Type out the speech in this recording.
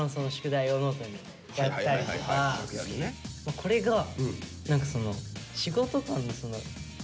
これが何かその仕事間のえ！